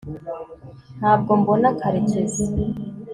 ntabwo mbona karekezi